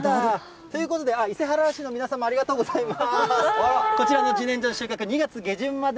ということで、伊勢原市の皆さんもありがとうございます。